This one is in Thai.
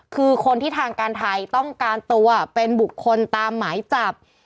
คือคนที่ทางการไทยต้องการตัวเป็นบุคคลตามหมายจับ